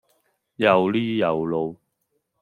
又呢又路